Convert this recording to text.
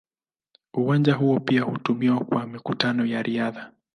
Uwanja huo pia hutumiwa kwa mikutano ya riadha.